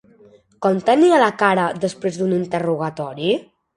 Com tenia la cara després d'un interrogatori?